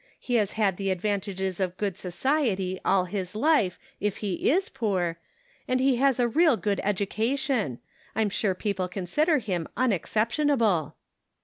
He has had the advantages of good society all his life \f he is poor, and he has a real good educa tion. I'm sure people consider him unex ceptionable."